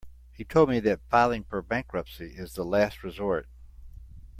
He told me that filing for bankruptcy is the last resort.